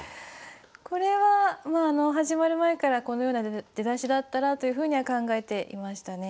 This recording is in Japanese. これは始まる前からこのような出だしだったらというふうには考えていましたね。